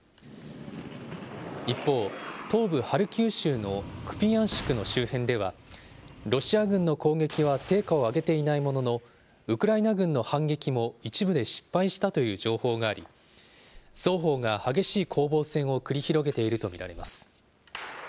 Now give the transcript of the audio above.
一方、東部ハルキウ州のクピヤンシクの周辺では、ロシア軍の攻撃は成果を上げていないものの、ウクライナ軍の反撃も一部で失敗したという情報があり、双方が激しい攻防戦を繰り広げていると見られます。